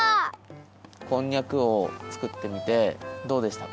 こんにゃくをつくってみてどうでしたか？